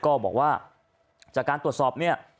ก็บอกว่าจากการตรวจสอบเนี่ย